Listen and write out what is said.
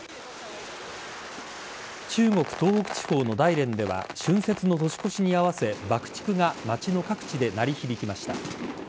中国・東北地方の大連では春節の年越しに合わせ爆竹が街の各地で鳴り響きました。